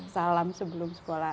salam sebelum sekolah